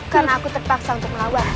karena aku terpaksa untuk melawan